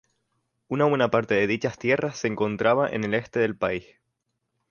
Una buena parte de dichas tierras se encontraba en el Este del país.